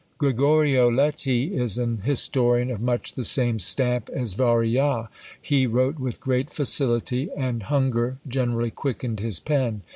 Gregorio Leti is an historian of much the same stamp as Varillas. He wrote with great facility, and hunger generally quickened his pen.